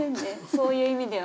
そういう意味では。